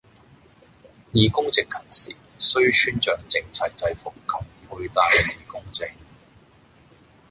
義工值勤時，須穿著整齊制服及佩戴義工證